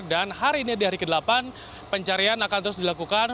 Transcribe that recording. dan hari ini di hari ke delapan pencarian akan terus dilakukan